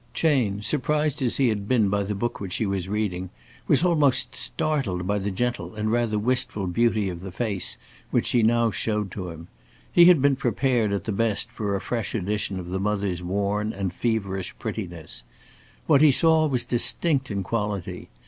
Chayne, surprised as he had been by the book which she was reading, was almost startled by the gentle and rather wistful beauty of the face which she now showed to him. He had been prepared at the best for a fresh edition of the mother's worn and feverish prettiness. What he saw was distinct in quality.